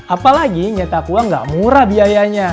apalagi nyetak uang nggak murah biayanya